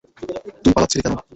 তুই পালাচ্ছিলি কেন?